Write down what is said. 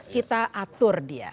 kita atur dia